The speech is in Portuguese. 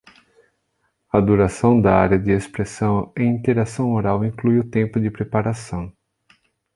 A duração da Área de Expressão e Interação Oral inclui o tempo de preparação.